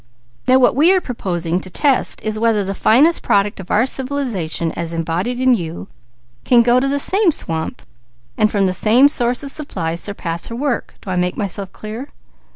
Now what we are proposing to test is whether the finest product of our civilization, as embodied in you, can go to the same swamp, and from the same location surpass her work. Do I make myself clear?"